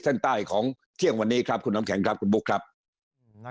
เส้นใต้ของเที่ยงวันนี้ครับคุณน้ำแข็งครับคุณบุ๊คครับ